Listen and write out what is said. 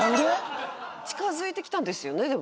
近づいてきたんですよね？